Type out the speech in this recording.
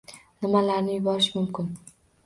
Nimalarni yuborish mumkin?